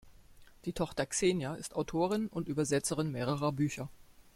Die Tochter Xenia ist Autorin und Übersetzerin mehrerer Bücher.